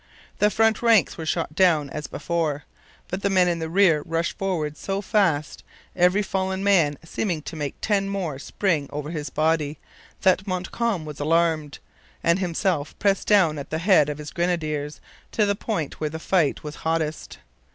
The front ranks were shot down as before. But the men in rear rushed forward so fast every fallen man seeming to make ten more spring over his body that Montcalm was alarmed, and himself pressed down at the head of his grenadiers to the point where the fight was hottest.